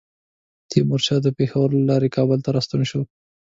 تیمورشاه پېښور له لارې کابل ته ستون شو.